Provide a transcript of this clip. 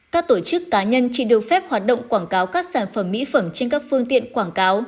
các tổ chức cá nhân chỉ được phép hoạt động quảng cáo các sản phẩm mỹ phẩm trên các phương tiện quảng cáo